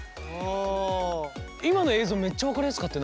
今の映像めっちゃ分かりやすかったよね。